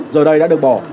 giờ đây đã được bỏ